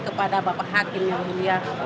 kepada bapak hakim yang mulia